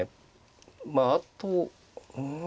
まああとうん。